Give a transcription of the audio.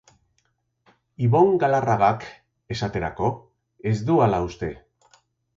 Ibon Galarragak, esaterako, ez du hala uste.